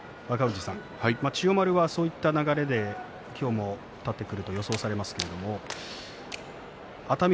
千代丸は、そういった流れで今日も立ってくると予想されますけれど熱海